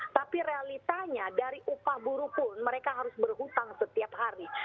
tapi realitanya dari upah buruh pun mereka harus berhutang setiap hari